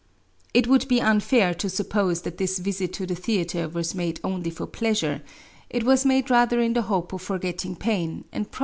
* It would be unfair to suppose that this visit to the theatre was made only for pleasure ; it was made rather in the hope of forgetting pain, and probably by order of the husband.